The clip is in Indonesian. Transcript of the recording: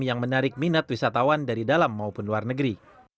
yang menarik minat wisatawan dari dalam maupun luar negeri